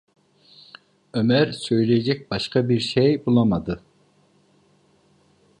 Ömer söyleyecek başka bir şey bulamadı.